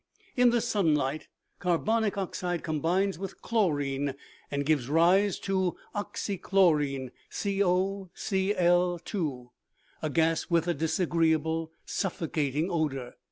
OMEGA. 51 " In the sunlight carbonic oxide combines with chlorine and gives rise to an oxychlorine (cocL 2 ) a gas with a dis agreeable, suffocating odor.